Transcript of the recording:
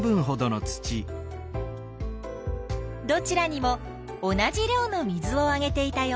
どちらにも同じ量の水をあげていたよ。